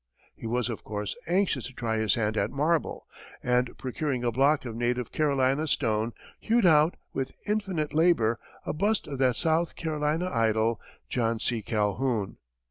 He was, of course, anxious to try his hand at marble, and procuring a block of native Carolina stone, hewed out, with infinite labor, a bust of that South Carolina idol, John C. Calhoun.